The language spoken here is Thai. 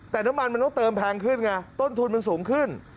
แต่น้ำมันมันต้องเติมแพงขึ้นไงต้นทุนมันสูงขึ้น